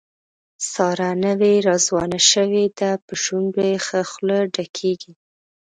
ساره نوې راځوانه شوې ده، په شونډو یې ښه خوله ډکېږي.